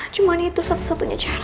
cuma itu satu satunya cara